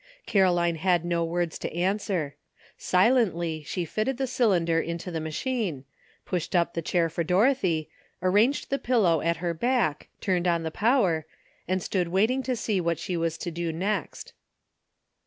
Caroline had no words to answer. Silently she fitted the cylinder into the machine, pushed up the chair for Dorothy, arranged the pillow at her back, turned on the power, and stood waiting to see what she was to do next.